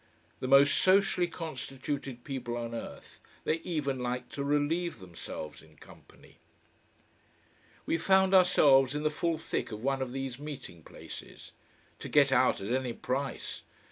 The most socially constituted people on earth, they even like to relieve themselves in company. We found ourselves in the full thick of one of these meeting places. To get out at any price!